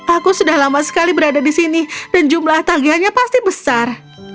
aku sudah lama sekali berada di sini dan jumlah tagihannya pasti besar